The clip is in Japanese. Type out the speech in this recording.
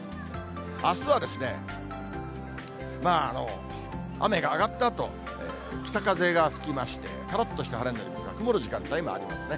あすは雨が上がったあと、北風が吹きまして、からっとした晴れになりますが、曇る時間帯もありますね。